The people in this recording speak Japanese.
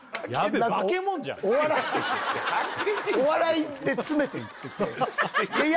別にお笑いで詰めていってていや